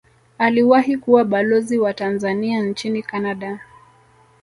aliwahi kuwa balozi wa tanzania nchini canada